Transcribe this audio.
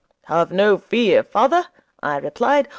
"Have no fear, father," I replied.